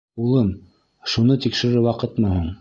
Улым, шуны тикшерер ваҡытмы һуң?